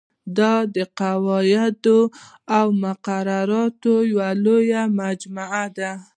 دا د قواعدو او مقرراتو یوه لویه مجموعه ده.